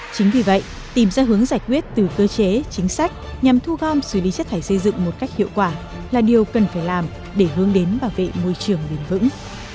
chính vì vậy tìm ra hướng giải quyết từ cơ chế chính sách nhằm thu gom xử lý chất thải xây dựng một cách hiệu quả là điều cần phải làm để hướng đến bảo vệ môi trường bền vững